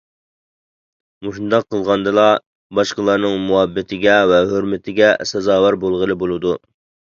مۇشۇنداق قىلغاندىلا باشقىلارنىڭ مۇھەببىتىگە ۋە ھۆرمىتىگە سازاۋەر بولغىلى بولىدۇ.